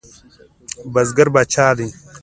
بزګر پاچا دی؟